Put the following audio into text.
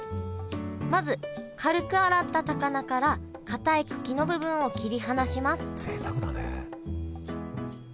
まず軽く洗った高菜からかたい茎の部分を切り離しますぜいたくだね。